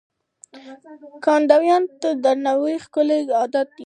ګاونډي ته درناوی ښکلی عادت دی